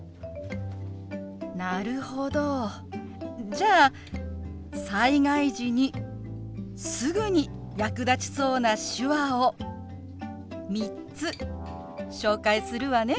なるほどじゃあ災害時にすぐに役立ちそうな手話を３つ紹介するわね。